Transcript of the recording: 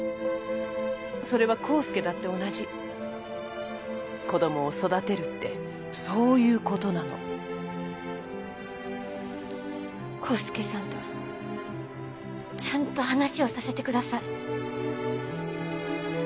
それは康介だって同じ子供を育てるってそういうことなの康介さんとちゃんと話をさせてください